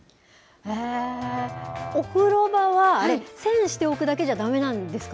お風呂場は、あれ、栓しておくだけじゃだめなんですか？